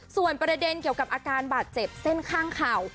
ส่วนประเด็นเกี่ยวกับอาการบาดเจ็บเส้นข้างเข่า